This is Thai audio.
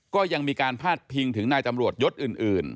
ก็ยังมีการพาดพิงถึงนายตำรวจยศอื่น